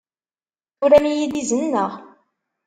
Turam-iyi-d izen, naɣ?